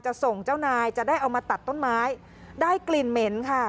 ส่งเจ้านายจะได้เอามาตัดต้นไม้ได้กลิ่นเหม็นค่ะ